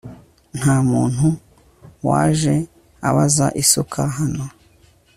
nta muntu waje abaza isuka hano